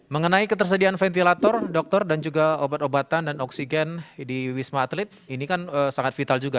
mengenai ketersediaan ventilator dokter dan juga obat obatan dan oksigen di wisma atlet ini kan sangat vital juga